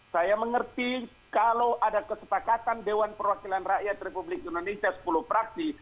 saya mengerti kalau ada kesepakatan dewan perwakilan rakyat republik indonesia sepuluh praksi